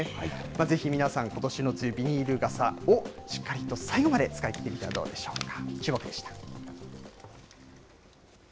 ぜひ皆さん、ことしの梅雨、ビニール傘をしっかりと最後まで使いきってはどうでしょうか。